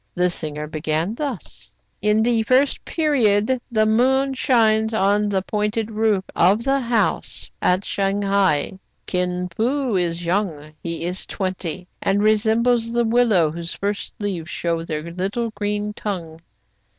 The singer began thus :— "In the first period the moon shines on the pointed roof of the house at Shang hai. Kin Fo is young, — he is twenty, — and resembles the willow whose first leaves show their little green tongue.